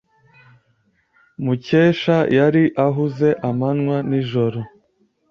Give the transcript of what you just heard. Mukesha yari ahuze amanywa n'ijoro.